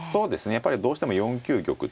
やっぱりどうしても４九玉っていうね